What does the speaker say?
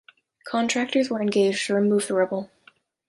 Contractors were engaged to remove the rubble.